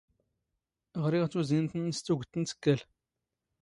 ⵖⵔⵉⵖ ⵜⵓⵣⵉⵏⵜ ⵏⵏⵙ ⵜⵓⴳⵜ ⵏ ⵜⵉⴽⴽⴰⵍ.